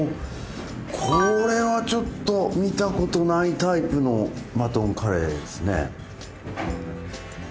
これはちょっと見たことないタイプのマトンカレーですね。